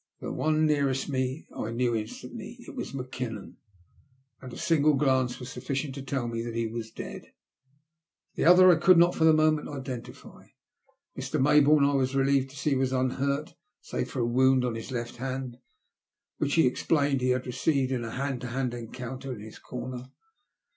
The one nearest me I knew instantly. It was Mackinnon, and a single glance was sufficient to tell me that he was dead. The other I could not for the moment identify. Mr. Mayboume, I was relieved to see, was unhrui save for a wound on his left hand, which he explained he had received in a hand to hand encounter in his comer.